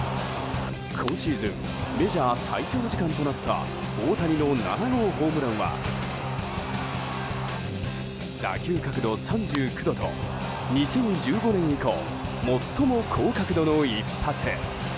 今シーズンメジャー最長時間となった大谷の７号ホームランは打球角度３９度と２０１５年以降最も高角度の一発。